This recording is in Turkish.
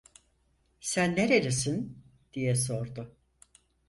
"Sen nerelisin?" diye sordu.